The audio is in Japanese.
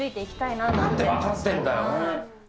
なんで分かってんだよ。